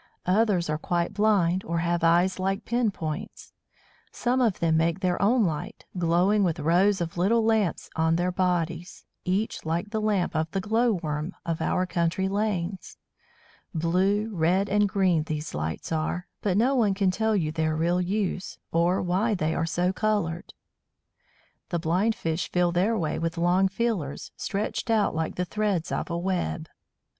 Others are quite blind, or have eyes like pin points. Some of them make their own light, glowing with rows of little lamps on their bodies, each like the lamp of the glow worm of our country lanes. Blue, red, and green these lights are, but no one can tell you their real use, or why they are so coloured. The blind fish feel their way with long feelers, stretched out like the threads of a web.